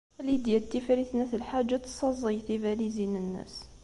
Lidya n Tifrit n At Lḥaǧ ad tessaẓey tibalizin-nnes.